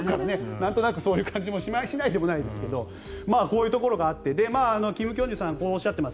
なんとなくそういう感じもしないでもないですがこういうところがあって金慶珠さんはこうおっしゃっています。